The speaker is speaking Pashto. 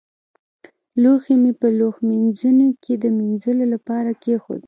لوښي مې په لوښمینځوني کې د مينځلو لپاره کېښودل.